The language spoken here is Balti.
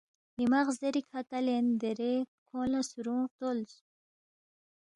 نیمہ غزیری کھا کلین دیرے کھونگ لا سرونگ غدولس۔